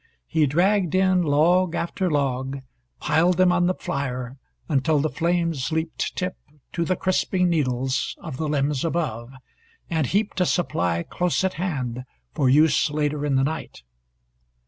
He dragged in log after log, piled them on the fire until the flames leaped tip to the crisping needles of the limbs above, and heaped a supply close at hand for use later in the night.